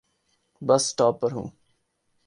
بس سٹاپ پہ ہوں۔